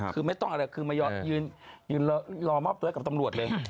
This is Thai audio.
คือไม่ต้องอะไรคือมายืนรอมอบตัวกับตำรวจเลย